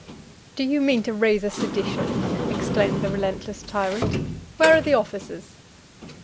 "Do you mean to raise a sedition?" exclaimed the relentless tyrant. "Where are the officers?"